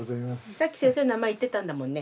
さっき先生の名前言ってたんだもんね